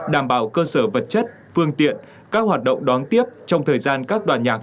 đảm bảo cơ sở vật chất phương tiện các hoạt động đón tiếp trong thời gian các đoàn nhạc